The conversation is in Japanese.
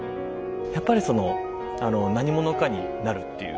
やっぱりその何者かになるっていうのって